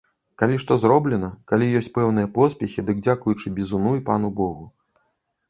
Калі што зроблена, калі ёсць пэўныя поспехі, дык дзякуючы бізуну і пану богу.